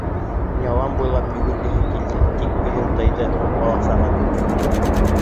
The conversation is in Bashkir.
Ялан буйлап йүгергеһе килде, тик үҙен тыйҙы, бала-саға кеүек...